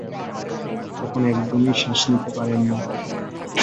তখন একদমই শ্বাস নিতে পারেন না।